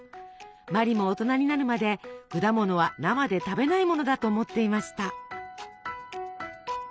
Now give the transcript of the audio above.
茉莉も大人になるまで果物は生で食べないものだと思っていました。